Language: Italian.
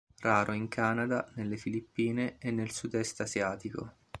Raro in Canada, nelle Filippine e nel sudest asiatico.